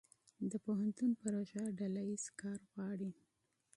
د پوهنتون پروژه ډله ییز کار غواړي.